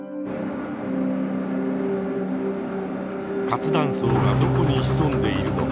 活断層がどこに潜んでいるのか